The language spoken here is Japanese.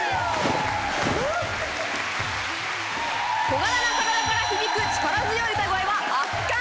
小柄な体から響く力強い歌声は圧巻！